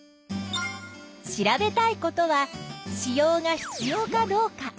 調べたいことは子葉が必要かどうか。